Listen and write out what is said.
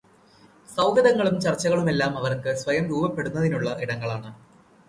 സൗഹൃദങ്ങളും ചർച്ചകളുമെല്ലാം അവർക്ക് സ്വയം രൂപപ്പെടുത്തുന്നതിനുള്ള ഇടങ്ങളാണ്.